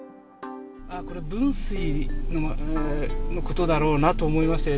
これ、分水のことだろうなと思いまして。